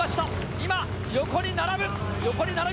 今、横に並ぶ。